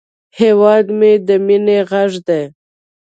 هیواد مې د مینې غږ دی